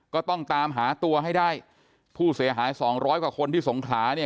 ก็ต้องตามหาตัวให้ได้ผู้เสียหายสองร้อยกว่าคนที่สงขลาเนี่ย